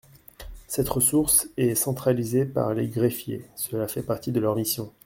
Cette ressource est centralisée par les greffiers : cela fait partie de leur mission.